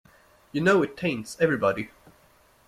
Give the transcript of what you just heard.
You know it taints everybody.